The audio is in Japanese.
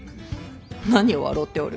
何を笑うておる。